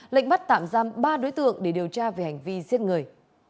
lệnh bắt tạm giam ba đối tượng để điều tra về hành vi giết người